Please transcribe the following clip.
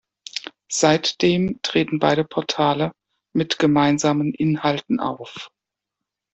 Seitdem treten beide Portale mit gemeinsamen Inhalten auf.